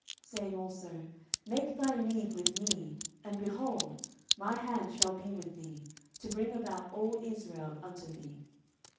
saying also, Make thy league with me, and, behold, my hand shall be with thee, to bring about all Israel unto thee.